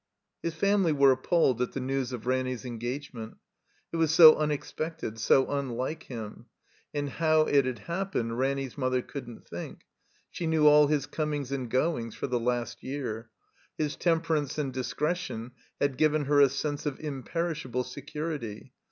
His family were appalled at the news of Ranny's engagement. It was so tmexpected, so unlike him; and how it had happened Ranny's mother cotildn't think. She knew all his comings and goings for the last year. His temperance and discretion had given her a sense of imperishable security.